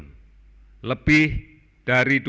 kami ingin menjaga jarak kita